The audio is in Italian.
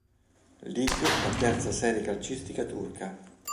Lig la terza serie calcistica turca.